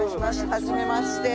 はじめまして。